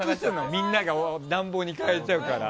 みんなが暖房に変えちゃうから。